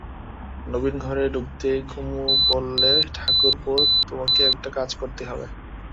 নবীন ঘরে ঢুকতেই কুমু বললে, ঠাকুরপো, তোমাকে একটি কাজ করতেই হবে।